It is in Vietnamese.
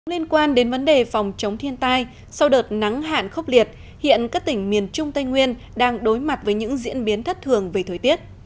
liên quan đến vấn đề phòng chống thiên tai sau đợt nắng hạn khốc liệt hiện các tỉnh miền trung tây nguyên đang đối mặt với những diễn biến thất thường về thời tiết